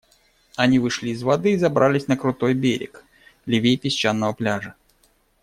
Они вышли из воды и забрались на крутой берег, левей песчаного пляжа.